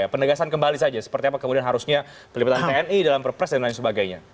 penegasan kembali saja seperti apa kemudian harusnya pelibatan tni dalam perpres dan lain sebagainya